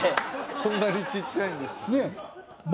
「そんなにちっちゃいんですか」ねえ？